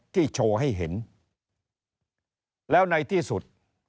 โชว์ให้เห็นแล้วในที่สุด